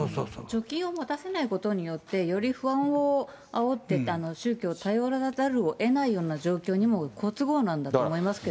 貯金を持たせないことによって、より不安をあおって、宗教を頼らざるをえないような状況にも好都合なんだと思いますけ